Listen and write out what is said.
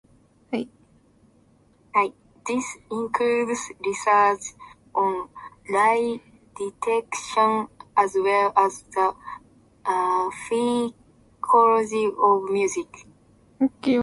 This includes research on lie-detection as well as the psychology of magic.